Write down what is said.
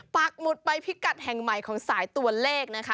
ปากหมุดไปพิกัดแห่งใหม่ของสายตัวเลขนะคะ